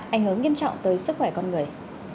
anh hướng nghiêm trọng tới sức khỏe con người